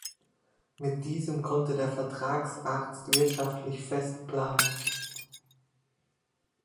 Mit diesem konnte der Vertragsarzt wirtschaftlich fest planen.